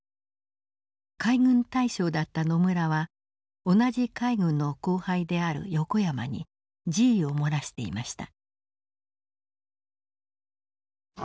海軍大将だった野村は同じ海軍の後輩である横山に辞意を漏らしていました。